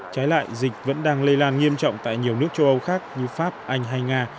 trái lại dịch vẫn đang lây lan nghiêm trọng tại nhiều nước châu âu khác như pháp anh hay nga